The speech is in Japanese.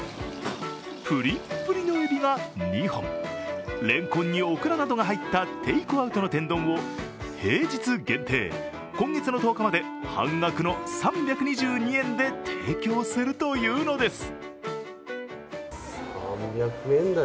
プリプリのえびが２本、れんこんにオクラなどが入ったテイクアウトの天丼を平日限定、今月の１０日まで、半額の３２２円で提供するというのです。